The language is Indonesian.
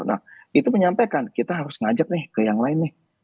nah itu menyampaikan kita harus ngajak nih ke yang lain nih